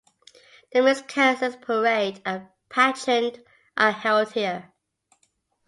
The Miss Kansas Parade and Pageant are held here.